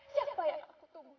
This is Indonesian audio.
siapa yang aku cari